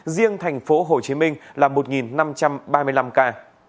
riêng thành phố hồ chí minh là một năm trăm ba mươi năm ca